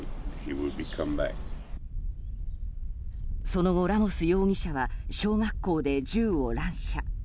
その後、ラモス容疑者は小学校で銃を乱射。